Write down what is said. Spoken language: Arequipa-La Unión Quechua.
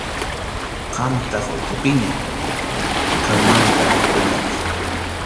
Qamtaq ukhupiña, qammanta rikunayki.